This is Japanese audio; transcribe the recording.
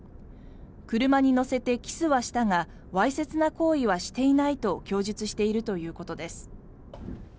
車に乗せてキスはしたがわいせつな行為はしていないと供述しているということです。